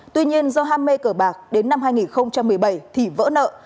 tuy nhiên do ham mê cờ bạc đến năm hai nghìn một mươi bảy thì vỡ nợ